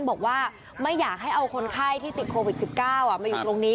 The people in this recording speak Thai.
บอกว่าไม่อยากให้เอาคนไข้ที่ติดโควิด๑๙มาอยู่ตรงนี้